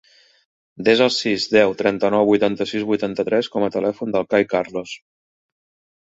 Desa el sis, deu, trenta-nou, vuitanta-sis, vuitanta-tres com a telèfon del Kai Carlos.